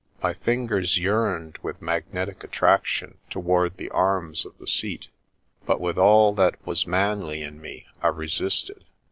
My fingers yearned with magnetic attraction to ward the arms of the seat, but with all that was manly in me I resisted.